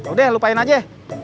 udah lupain aja